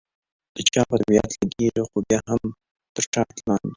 د چا په طبیعت لګېږي، خو بیا هم تر ټاټ لاندې.